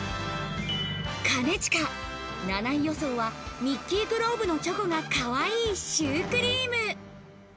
兼近、７位予想は、ミッキーグローブのチョコがかわいいシュークリーム。